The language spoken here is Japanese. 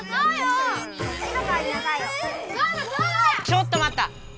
ちょっとまった！